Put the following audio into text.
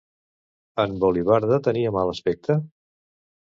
En Volivarda tenia mal aspecte?